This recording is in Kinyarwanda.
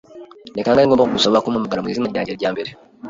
Ni kangahe ngomba kugusaba kumpamagara mwizina ryanjye ryambere?